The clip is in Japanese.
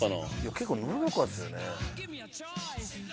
結構のどかですよね。